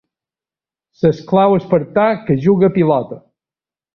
L'esclau espartà que juga a pilota.